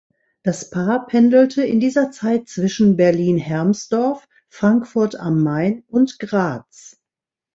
Das Paar pendelte in dieser Zeit zwischen Berlin-Hermsdorf, Frankfurt am Main und Graz.